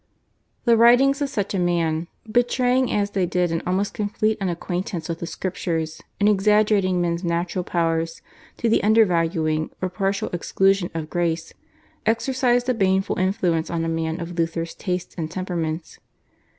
The writings of such a man, betraying as they did an almost complete unacquaintance with the Scriptures and exaggerating men's natural powers to the undervaluing or partial exclusion of Grace, exercised a baneful influence on a man of Luther's tastes and temperaments.